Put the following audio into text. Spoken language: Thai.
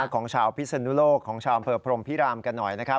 ของชาวพิศนุโลกของชาวอำเภอพรมพิรามกันหน่อยนะครับ